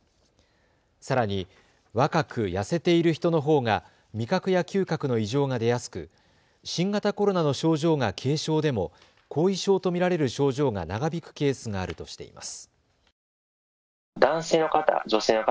さらに若く痩せている人のほうが味覚や嗅覚の異常が出やすく新型コロナの症状が軽症でも後遺症と見られる症状が長引くケースがあるとしています。